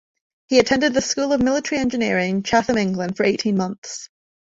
He attended the School of Military Engineering, Chatham, England, for eighteen months.